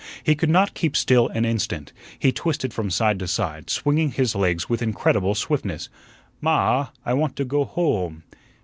He could not keep still an instant; he twisted from side to side, swinging his legs with incredible swiftness. "Ma ah, I want to go ho ome."